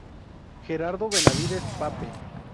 Gerardo Benavides Pape.